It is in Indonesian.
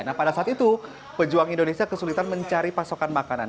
nah pada saat itu pejuang indonesia kesulitan mencari pasokan makanan